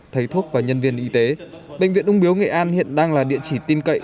thầy thuốc và nhân viên y tế bệnh viện ung biếu nghệ an hiện đang là địa chỉ tin cậy